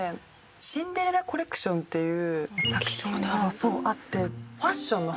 『シンデレラコレクション』っていう作品があって。